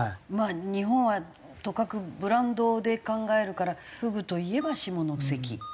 日本はとかくブランドで考えるからフグといえば下関とか。